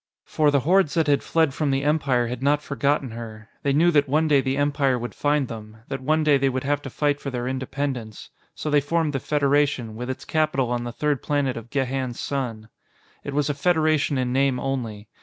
For the hordes that had fled from the Empire had not forgotten her; they knew that one day the Empire would find them, that one day they would have to fight for their independence. So they formed the Federation, with its capital on the third planet of Gehan's Sun. It was a federation in name only.